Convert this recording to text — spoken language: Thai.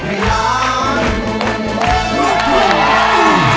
คุณองค์ร้องได้